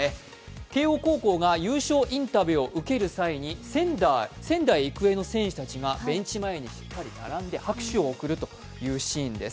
慶応高校が優勝インタビューを受ける際に仙台育英の選手たちがベンチ前に一斉に並んで拍手を送るというシーンです。